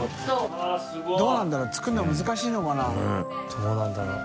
どうなんだろう？